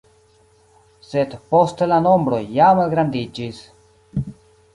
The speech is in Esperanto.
Sed poste la nombroj ja malgrandiĝis.